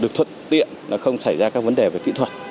được thuận tiện không xảy ra các vấn đề về kỹ thuật